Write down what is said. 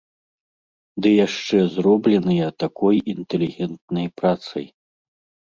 Ды яшчэ заробленыя такой інтэлігентнай працай!